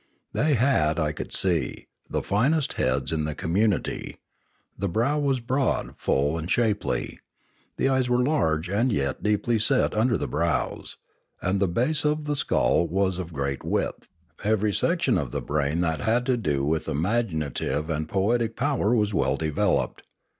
They bad, I could see, the finest heads in the com munity; the brow was broad, full, and shapely; the eyes were large and yet deeply set under the brows; the base of the skull was of great width; every section of the brain that had to do with imaginative and poetic power was well developed.